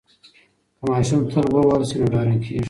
که ماشوم تل ووهل سي نو ډارن کیږي.